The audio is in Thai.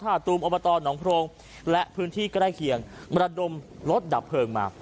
ตูมอบตหนองโพรงและพื้นที่ใกล้เคียงมรดมรถดับเพลิงมา